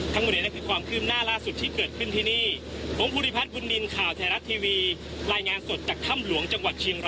ทั้งหมดเองนั่นคือความคลิมน่าล่าสุดที่เกิดขึ้นทีนี้